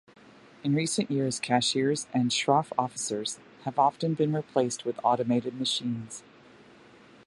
In recent years, cashiers and shroff officers have often been replaced with automated machines.